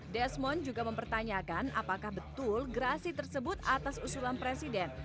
desmond juga mempertanyakan apakah betul gerasi tersebut atas usulan presiden